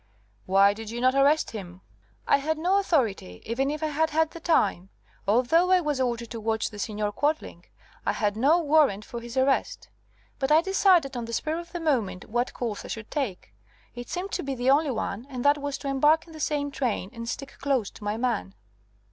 "Why did you not arrest him?" "I had no authority, even if I had had the time. Although I was ordered to watch the Signor Quadling, I had no warrant for his arrest. But I decided on the spur of the moment what course I should take. It seemed to be the only one, and that was to embark in the same train and stick close to my man."